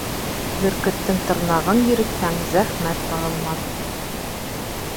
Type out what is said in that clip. Бөркөттөң тырнағын йөрөтһәң, зәхмәт ҡағылмаҫ.